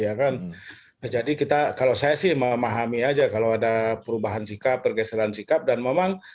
ya kan jadi kita kalau saya sih memahami aja kalau ada perubahan sikap pergeseran sikap dan memang